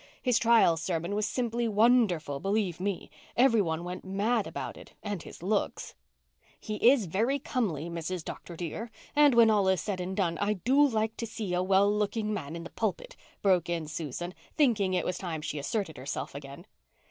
His trial sermon was simply wonderful, believe me. Every one went mad about it—and his looks." "He is very comely, Mrs. Dr. dear, and when all is said and done, I do like to see a well looking man in the pulpit," broke in Susan, thinking it was time she asserted herself again.